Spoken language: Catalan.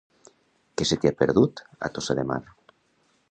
Què se t'hi ha perdut, a Tossa de Mar?